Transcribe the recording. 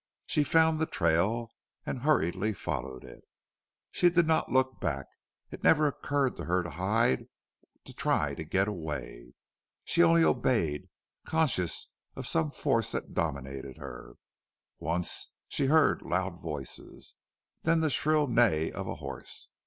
She found the trail and hurriedly followed it. She did not look back. It never occurred to her to hide, to try to get away. She only obeyed, conscious of some force that dominated her. Once she heard loud voices, then the shrill neigh of a horse.